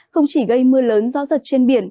không chỉ gây mưa lớn gió giật trên biển